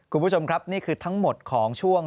คุณผู้ชมครับนี่คือทั้งหมดของช่วง